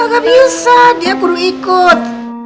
gak bisa dia perlu ikut